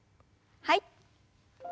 はい。